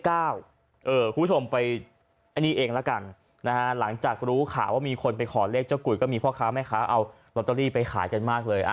คุณผู้ชมไปอันนี้เองแล้วกันนะฮะหลังจากรู้ข่าวว่ามีคนไปขอเลขเจ้ากุยก็มีพ่อค้าแม่ค้าเอาลอตเตอรี่ไปขายกันมากเลย